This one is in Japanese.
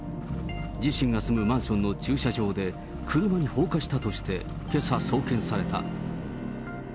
自身が住むマンションの駐車場で車に放火したとして、けさ送検された。